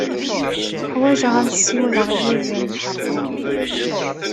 Ḥwajeɣ ad ssiwleɣ yid-m.